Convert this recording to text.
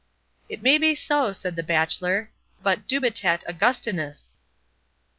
"It may be so," said the bachelor; "but dubitat Augustinus."